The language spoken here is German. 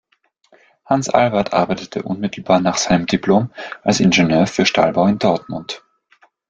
Hans Albert arbeitete unmittelbar nach seinem Diplom als Ingenieur für Stahlbau in Dortmund.